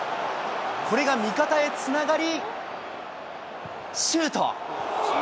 これが味方へつながり、シュート。